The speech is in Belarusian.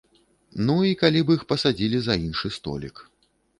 Ну, і калі б іх пасадзілі за іншы столік.